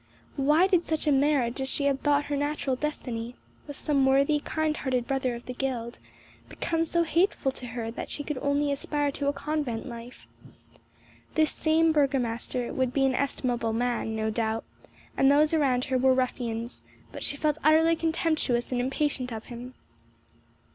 Why did such a marriage as she had thought her natural destiny, with some worthy, kind hearted brother of the guild, become so hateful to her that she could only aspire to a convent life? This same burgomaster would be an estimable man, no doubt, and those around her were ruffians, but she felt utterly contemptuous and impatient of him.